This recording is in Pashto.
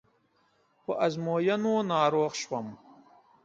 په ازموینو ناروغ شو.